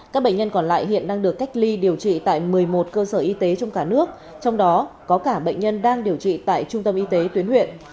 các bệnh nhân còn lại hiện đang được cách ly điều trị tại một mươi một cơ sở y tế trong cả nước trong đó có cả bệnh nhân đang điều trị tại trung tâm y tế tuyến huyện